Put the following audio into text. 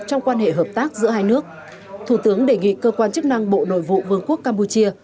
trong quan hệ hợp tác giữa hai nước thủ tướng đề nghị cơ quan chức năng bộ nội vụ vương quốc campuchia